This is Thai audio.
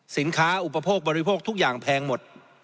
อุปโภคบริโภคทุกอย่างแพงหมด